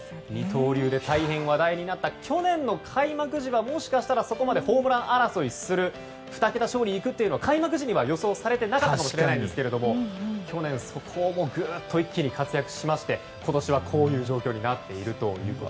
二刀流で大変話題になった去年の開幕時はもしかしたらそこまでホームラン争いする２桁勝利にいくとは開幕時には予想されていなかったかもしれませんが去年、一気に活躍しまして今年はこういう状況になっています。